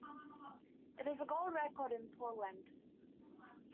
It is a gold record in Poland.